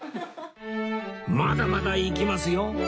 まだまだ行きますよ！